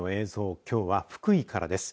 きょうは福井からです。